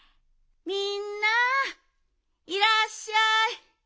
みんないらっしゃい。